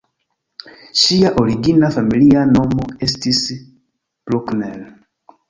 Ŝia origina familia nomo estis "Bruckner".